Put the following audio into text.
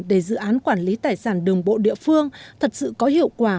để dự án quản lý tài sản đường bộ địa phương thật sự có hiệu quả